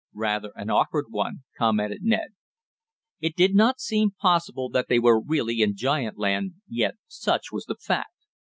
"Rather an awkward one," commented Ned. It did not seem possible that they were really in giant land, yet such was the fact.